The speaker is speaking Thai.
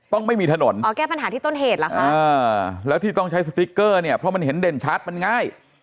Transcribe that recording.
ไม่มีถนนอ๋อแก้ปัญหาที่ต้นเหตุเหรอคะแล้วที่ต้องใช้สติ๊กเกอร์เนี่ยเพราะมันเห็นเด่นชัดมันง่าย